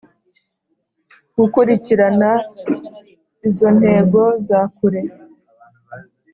gukurikirana izo ntego za kure